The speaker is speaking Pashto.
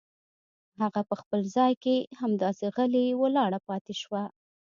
هغه په خپل ځای کې همداسې غلې ولاړه پاتې شوه.